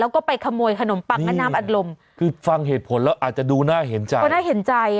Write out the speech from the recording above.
แล้วก็ไปขโมยขนมปั๊กงั้นน้ำอัดลมคือฟังเหตุผลแล้วอาจจะดูน่าเห็นใจ